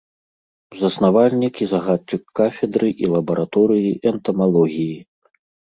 Заснавальнік і загадчык кафедры і лабараторыі энтамалогіі.